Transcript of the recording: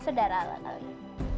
sudara lah kali sudara lah kali